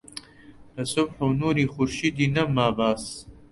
لە سوبح و نووری خورشیدی نەما باس